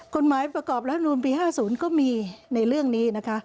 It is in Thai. กฎหมายประกอบรัฐมนูลปี๕๐ก็มีในเรื่องนี้นะคะ